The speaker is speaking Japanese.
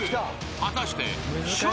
［果たして笑